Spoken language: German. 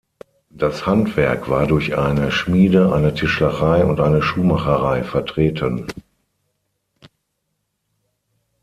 Das Handwerk war durch eine Schmiede, eine Tischlerei und eine Schuhmacherei vertreten.